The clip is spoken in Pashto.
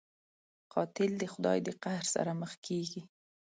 قاتل د خدای د قهر سره مخ کېږي